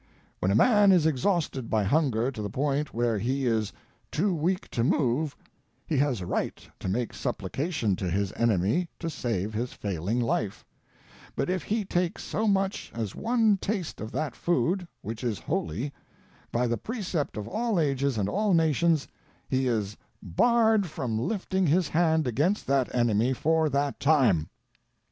When a man is ex hausted by hunger to the point where he is " too weak to move," he has a right to make supplication to his enemy to save his failing life; but if he take so much as one taste of that food — which is holy, by the precept of all ages and all nations — he is barred from lifting his hand against that enemy for that time.